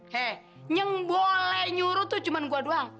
hei yang boleh nyuruh tuh cuma gua doang